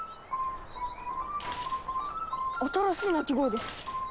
新しい鳴き声です。